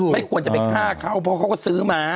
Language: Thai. ไม่ควรจะไปฆ่าเขาเพราะเขาก็ซื้อมา